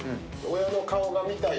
親の顔が見たい。